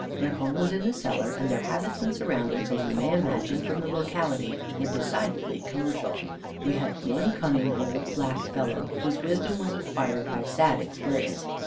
Their home was in the cellar, and their habits and surroundings, as you may imagine, from the locality, were decidedly commercial. We had one cunning old black fellow, whose wisdom was acquired by sad experience.